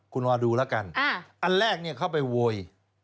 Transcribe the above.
คุณวาดูแล้วกันอันแรกเข้าไปโวย